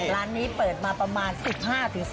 ร้านนี้เปิดมาประมาณ๑๕ถึง๑๖ปี